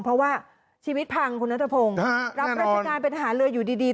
เพราะว่าชีวิตพังคุณนัทพงศ์รับราชการเป็นทหารเรืออยู่ดี